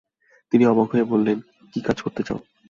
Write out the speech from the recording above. তিনি অবাক হয়ে বললেন, কী কাজ করতে চাও?